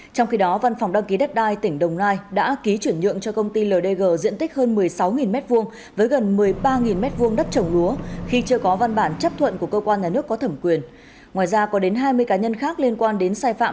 trong khi đó văn phòng đăng ký đất đai tỉnh đồng nai đã ký chuyển nhượng cho công ty ldg diện tích hơn một mươi sáu m hai với gần một mươi ba m hai với gần một mươi ba m hai với gần một mươi ba m hai với gần một mươi ba m hai với gần một mươi ba m hai với gần một mươi ba m hai với gần một mươi ba m hai với gần một mươi ba m hai